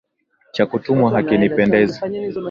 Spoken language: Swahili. Cha kutumwa hakinipendezi.